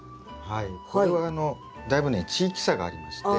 これはだいぶね地域差がありまして。